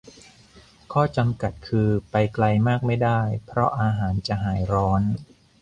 ข้อจำกัดคือไปไกลมากไม่ได้ เพราะอาหารจะหายร้อน